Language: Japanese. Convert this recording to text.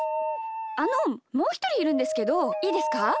あのもうひとりいるんですけどいいですか？